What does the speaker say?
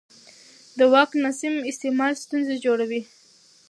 د واک ناسم استعمال ستونزې جوړوي